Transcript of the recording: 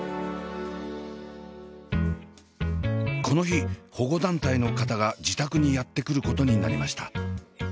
この日保護団体の方が自宅にやって来ることになりました。